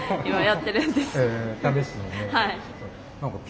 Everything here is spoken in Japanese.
はい。